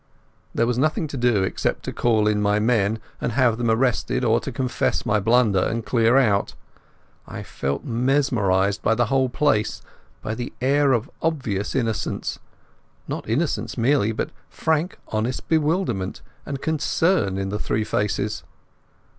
There was nothing to do except to call in my men and have them arrested, or to confess my blunder and clear out. I felt mesmerized by the whole place, by the air of obvious innocence—not innocence merely, but frank honest bewilderment and concern in the three faces.